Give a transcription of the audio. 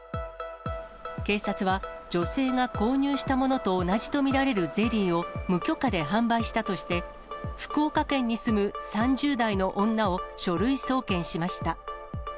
警察は女性が購入したものと同じと見られるゼリーを無許可で販売したとして、福岡県に住む３０代の女を書類送検しました。